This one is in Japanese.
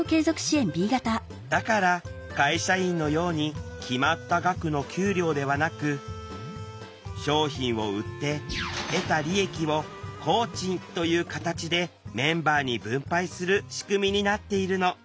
だから会社員のように決まった額の給料ではなく商品を売って得た利益を工賃という形でメンバーに分配する仕組みになっているの。